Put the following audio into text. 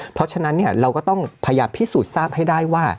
เพราะฉะนั้นเราก็ต้องพยายามพิสูจน์ทราบให้ได้ว่า